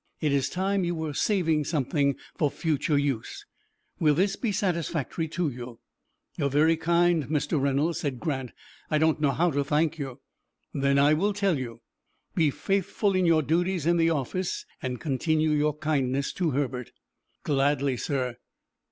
It is time you were saving something for future use. Will this be satisfactory to you?" "You are very kind, Mr. Reynolds," said Grant. "I don't know how to thank you." "Then I will tell you be faithful in your duties in the office and continue your kindness to Herbert." "Gladly, sir."